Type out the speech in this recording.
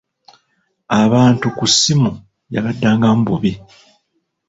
Abantu ku ssimu yabaddangamu bubi.